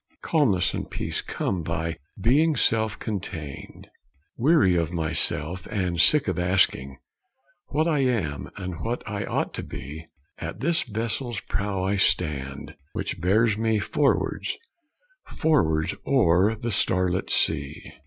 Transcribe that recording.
Calmness and peace come by being self contained. Weary of myself, and sick of asking What I am, and what I ought to be, At this vessel's prow I stand, which bears me Forwards, forwards, o'er the starlit sea.